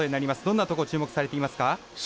どんなところ注目されていますか？